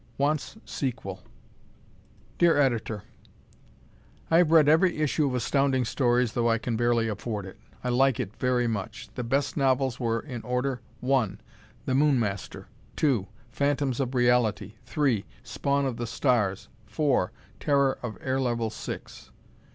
Wants Sequel Dear Editor: I have read every issue of Astounding Stories though I can barely afford it. I like it very much. The best novels were, in order: 1. "The Moon Master"; 2. "Phantoms of Reality"; 3. "Spawn of the Stars"; 4. "Terror of Air Level Six."